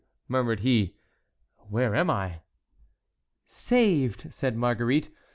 murmured he; "where am I?" "Saved!" said Marguerite.